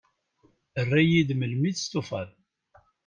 Err-iyi-d melmi testufaḍ.